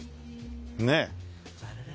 ねえ。